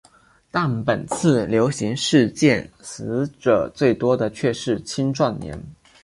但本次流行事件死者最多的却是青壮年。